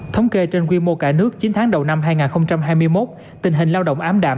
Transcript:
thống kê trên quy mô cả nước chín tháng đầu năm hai nghìn hai mươi một tình hình lao động ám đạm